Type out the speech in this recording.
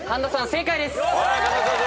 正解です。